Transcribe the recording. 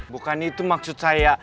bukan itu maksud saya